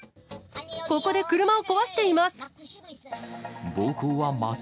ここで車を壊しています。